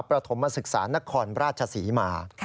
ประถมศึกษานครราชศรีมา